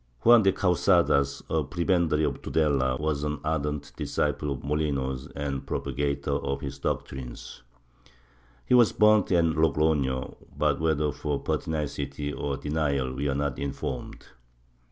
Juan de Causadas, a pre bendary of Tudela, was an ardent disciple of Molinos and propaga tor of his doctrines. He was burnt at Logroho, but whether for pertinacity or denial we are not informed.